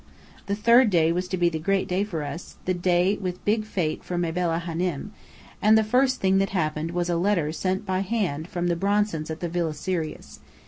The third day was to be the Great Day for us, the day big with fate for Mabella Hânem; and the first thing that happened was a letter sent by hand from the Bronsons at the Villa Sirius.